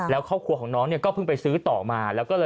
แล้วครอบครัวของน้องเนี่ยก็เพิ่งไปซื้อต่อมา